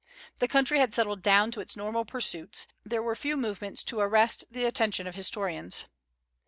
The country had settled down to its normal pursuits. There were few movements to arrest the attention of historians.